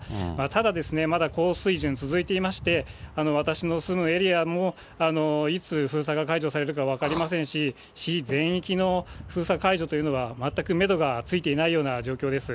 ただですね、まだ高水準、続いていまして、私の住むエリアも、いつ封鎖が解除されるか分かりませんし、市全域の封鎖解除というのは、全くメドがついていないような状況です。